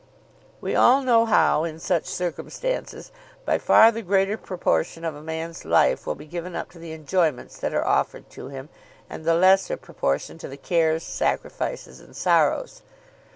We all know how, in such circumstances, by far the greater proportion of a man's life will be given up to the enjoyments that are offered to him and the lesser proportion to the cares, sacrifices, and sorrows.